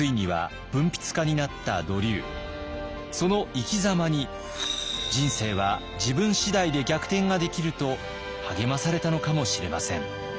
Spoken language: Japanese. その生きざまに人生は自分次第で逆転ができると励まされたのかもしれません。